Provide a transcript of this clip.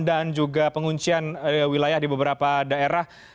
dan juga penguncian wilayah di beberapa daerah